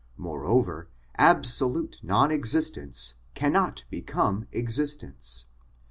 Moreover, absolute non existence cannot become existence.